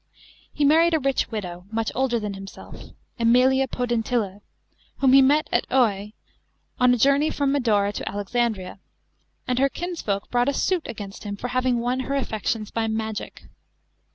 He married a rich widow, much «»l«ler than him s If, ^Emilia Pudentilla, whom he met at OEa on a journey from Madaura to Alexandria ; and her kinsfolk brought a suit against him for having won her affections by magic.